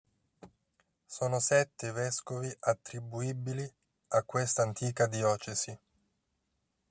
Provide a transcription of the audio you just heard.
Sono sette i vescovi attribuibili a questa antica diocesi.